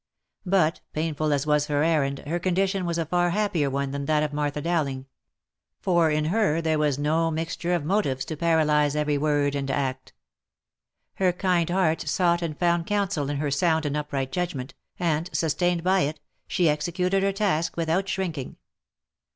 But, painful as was her errand, her condition was a far happier one than that of Martha Dowling ; for in her there was no mixture of motives to paralyze every word and act. Her kind heart sought and found counsel in her sound and upright judgment, and, sustained by it, she executed her task without shrinking.